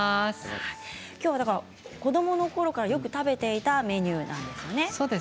子どものころからよく食べていたメニューなんですよね。